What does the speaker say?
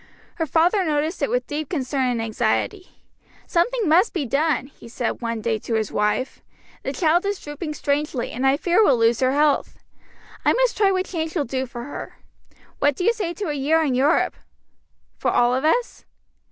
Her father noticed it with deep concern and anxiety. "Something must be done," he said one day to his wife; "the child is drooping strangely, and I fear will lose her health. I must try what change will do for her. What do you say to a year in Europe?" "For all of us?"